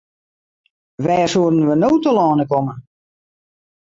Wêr soenen we no telâne komme?